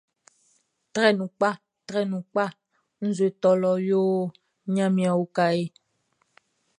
Trɛ nu pka trɛ nu pka nʼzue nʼtôlô yôhô, gnamien o kahé.